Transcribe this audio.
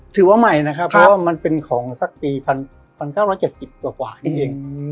ถือว่าใหม่นะครับเพราะว่ามันเป็นของสักปี๑๙๗๐กว่านี่เอง